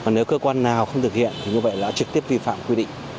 nếu cơ quan nào không thực hiện thì như vậy là trực tiếp vi phạm quy định